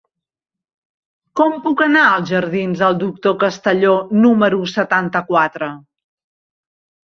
Com puc anar als jardins del Doctor Castelló número setanta-quatre?